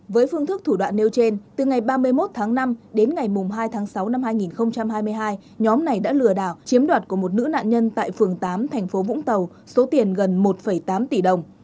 với phương thức thủ đoạn nêu trên từ ngày ba mươi một tháng năm đến ngày hai tháng sáu năm hai nghìn hai mươi hai nhóm này đã lừa đảo chiếm đoạt của một nữ nạn nhân tại phường tám thành phố vũng tàu số tiền gần một tám tỷ đồng